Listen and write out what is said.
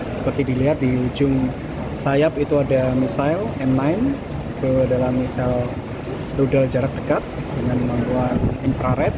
seperti dilihat di ujung sayap itu ada misil m sembilan itu adalah misil rudal jarak dekat dengan membuat infrared